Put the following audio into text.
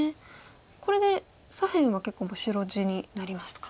これで左辺は結構白地になりますか？